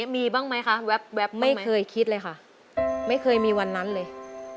ไม่เคยคิดเลยค่ะไม่เคยมีวันนั้นเลย